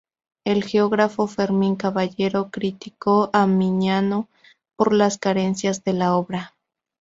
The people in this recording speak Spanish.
El geógrafo Fermín Caballero criticó a Miñano por las carencias de la obra.